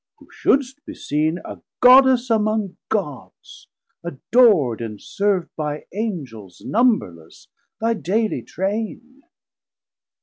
who shouldst be seen A Goddess among Gods, ador'd and serv'd By Angels numberless, thy daily Train.